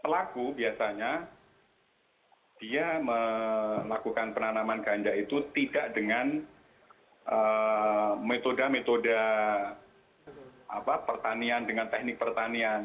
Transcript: pelaku biasanya dia melakukan penanaman ganja itu tidak dengan metode metode pertanian dengan teknik pertanian